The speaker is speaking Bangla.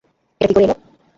এটা কী করে এলো?